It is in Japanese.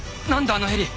あのヘリ。